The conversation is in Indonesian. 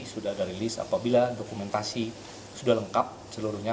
sudah ada rilis apabila dokumentasi sudah lengkap seluruhnya